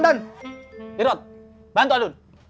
dirot bantu adun